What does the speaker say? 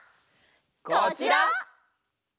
こちら！